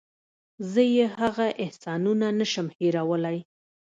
زه یې هغه احسانونه نشم هېرولی.